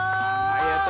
ありがとう。